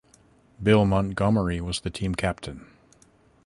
Bill Montgomery was the team captain.